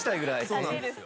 そうなんですよ。